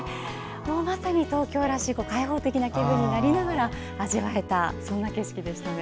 まさに東京らしい開放的な気分になりながら味わえた景色ですね。